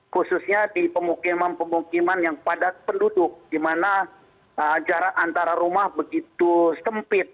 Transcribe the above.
khususnya di pemukiman pemukiman yang padat penduduk di mana jarak antara rumah begitu sempit